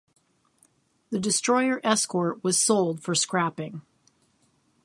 The destroyer escort was sold for scrapping.